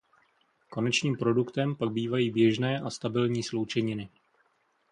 Konečným produktem pak bývají běžné a stabilní sloučeniny.